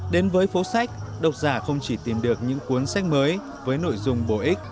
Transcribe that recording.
đến với phố sách độc giả không chỉ tìm được những cuốn sách mới với nội dung bổ ích